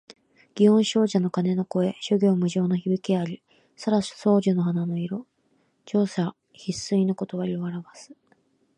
祇園精舎の鐘の声、諸行無常の響きあり。沙羅双樹の花の色、盛者必衰の理をあらわす。